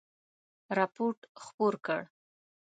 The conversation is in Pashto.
رپوټ خپور کړ.